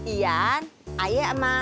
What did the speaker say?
ian ayah sama